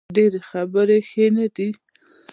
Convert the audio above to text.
ډیرې خبرې ښې نه دي